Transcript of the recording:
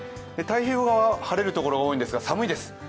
太平洋側は晴れるところが多いんですが、寒いです。